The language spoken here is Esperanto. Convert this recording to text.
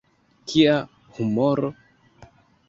Kia humoro!